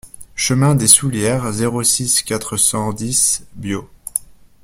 Chemin des Soullieres, zéro six, quatre cent dix Biot